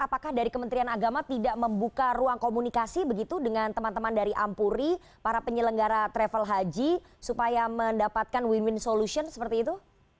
apakah dari kementerian agama tidak membuka ruang komunikasi begitu dengan teman teman dari ampuri para penyelenggara travel haji supaya mendapatkan win win solution seperti itu